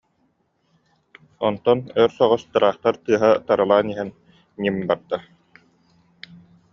Онтон өр соҕус тыраахтар тыаһа тары- лаан иһэн «ньим» барда